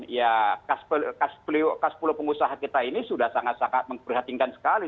ya kas puluh pengusaha kita ini sudah sangat sangat memperhatikan sekali